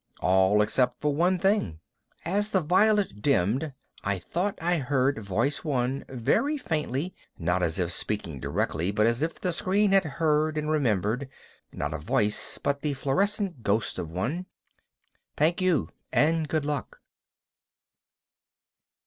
All except for one thing. As the violet dimmed I thought I heard Voice One very faintly (not as if speaking directly but as if the screen had heard and remembered not a voice but the fluorescent ghost of one): "Thank you and good luck!"